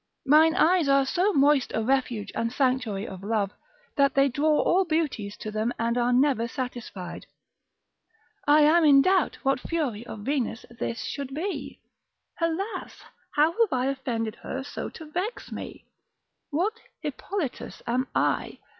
Mine eyes are so moist a refuge and sanctuary of love, that they draw all beauties to them, and are never satisfied. I am in a doubt what fury of Venus this should be: alas, how have I offended her so to vex me, what Hippolitus am I!